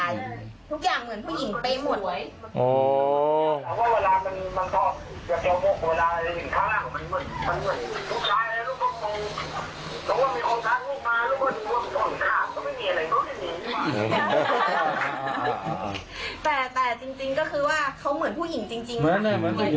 แต่จริงก็คือว่าเขาเหมือนผู้หญิงจริง